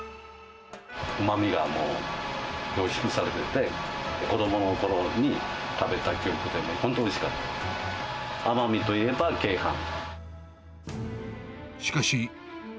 うまみがもう、凝縮されてて、子どものころに食べた記憶でね、本当おいしかった。